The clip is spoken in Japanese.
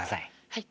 はい。